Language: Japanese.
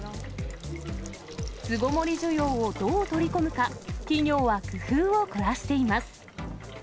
巣ごもり需要をどう取り込むか、企業は工夫を凝らしています。